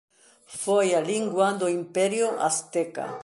Foi a lingua do Imperio Azteca.